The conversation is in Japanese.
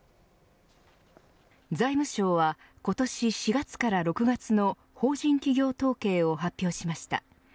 財務省は今年４月から６月の法人企業統計を発表しました。